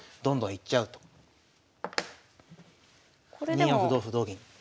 ２四歩同歩同銀。